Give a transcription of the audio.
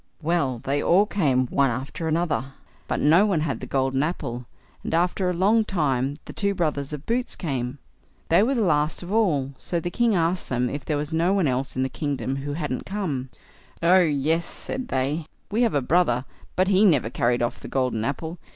Well, they all came one after another, but no one had the golden apple, and after a long time the two brothers of Boots came. They were the last of all, so the king asked them if there was no one else in the kingdom who hadn't come. "Oh, yes", said they; "we have a brother, but he never carried off the golden apple.